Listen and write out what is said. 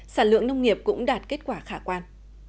sản lượng nông nghiệp cũng đạt kết quả khả quan